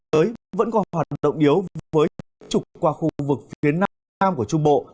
mưa rào rải rác đông yếu với trục qua khu vực phía nam của trung bộ